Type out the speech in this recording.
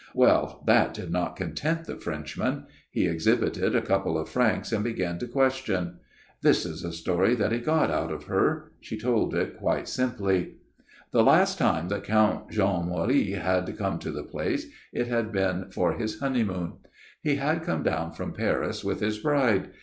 " Well, that did not content the Frenchman. He exhibited a couple of francs and began to question. :< This is the story that he got out of her. She told it quite simply. " The last time that Count Jean Marie had come to the place, it had been for his honeymoon. He had come down from Paris with his bride.